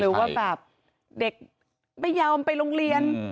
ว่าแบบเด็กไม่ยอมไปโรงเรียน